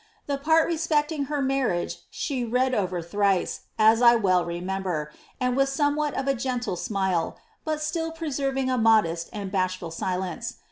The part respecting her marriage she nad over thrice, as I well remember, and with somewhat of a gentle •mile, but still preserving a modest and bashful silence.